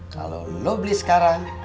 kalo lu beli sekarang